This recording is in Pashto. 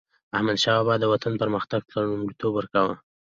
احمدشاه بابا به د وطن پرمختګ ته لومړیتوب ورکاوه.